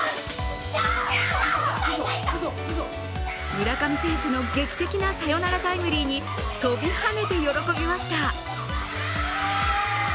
村上選手の劇的なサヨナラタイムリーに飛び跳ねて喜びました。